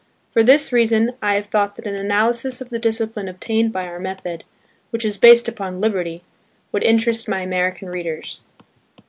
For this reason I have thought that an analysis of the discipline obtained by our method–which is based upon liberty,–would interest my American readers.